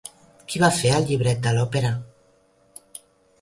Qui va fer el llibret de l'òpera?